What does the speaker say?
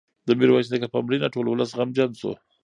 د میرویس نیکه په مړینه ټول ولس غمجن شو.